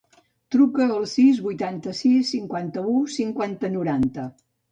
Truca al sis, vuitanta-sis, cinquanta-u, cinquanta, noranta.